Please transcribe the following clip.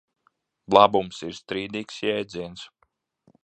Labums ir strīdīgs jēdziens.